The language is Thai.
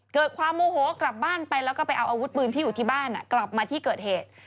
เกิดความโมโหกลับบ้านไปแล้วก็ไปเอาอาวุธปืนที่อยู่ที่บ้านกลับมาที่เกิดเหตุ